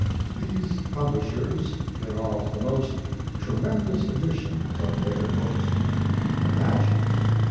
These publishers get off the most tremendous editions of their books you can imagine.